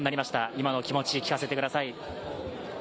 今のお気持ち聞かせてください。